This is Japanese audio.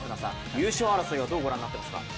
優勝争いをどう御覧になっていますか？